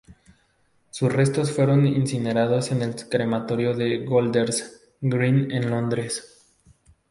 Sus restos fueron incinerados en el Crematorio de Golders Green de Londres.